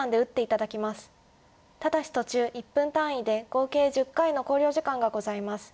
ただし途中１分単位で合計１０回の考慮時間がございます。